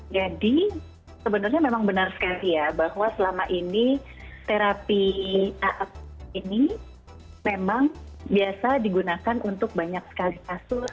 jadi sebenarnya memang benar sekali ya bahwa selama ini terapi aaprp ini memang biasa digunakan untuk banyak sekali kasus